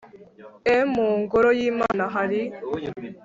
e mu ngoro y'imana hari